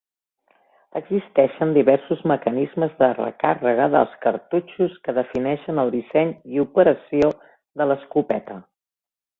Existeixen diversos mecanismes de recàrrega dels cartutxos que defineixen el disseny i operació de l'escopeta.